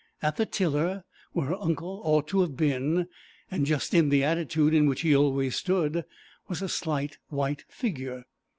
At the tiller where her uncle ought to have been, and just in the attitude in which he always stood, was a slight white figure.